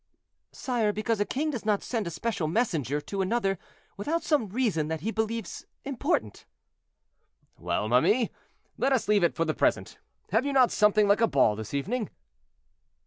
"Sire, because a king does not send a special messenger to another without some reason that he believes important." "Well ma mie, let us leave it for the present; have you not something like a ball this evening?"